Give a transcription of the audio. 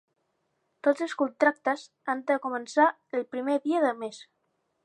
Tots els contractes han de començar el primer dia de mes.